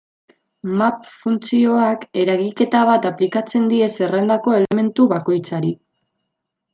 Map funtzioak eragiketa bat aplikatzen die zerrendako elementu bakoitzari.